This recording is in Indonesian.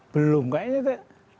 belum kayaknya itu